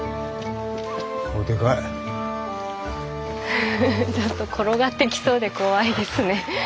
ふふふちょっと転がってきそうで怖いですね。